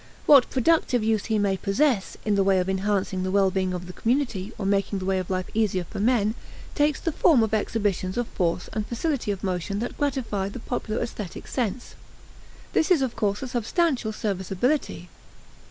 What productive use he may possess, in the way of enhancing the well being of the community or making the way of life easier for men, takes the form of exhibitions of force and facility of motion that gratify the popular aesthetic sense. This is of course a substantial serviceability.